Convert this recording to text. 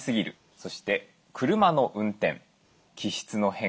そして車の運転気質の変化